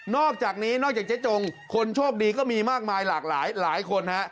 อกจากนี้นอกจากเจ๊จงคนโชคดีก็มีมากมายหลากหลายหลายคนฮะ